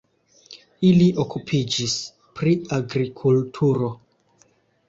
Ili okupiĝis pri agrikulturo.